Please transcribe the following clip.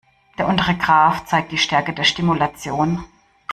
Der untere Graph zeigt die Stärke der Stimulation.